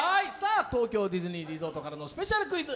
東京ディズニーリゾートからのスペシャルクイズ。